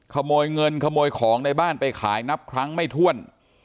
ขโมยเงินขโมยของในบ้านไปขายนับครั้งไม่ถ้วน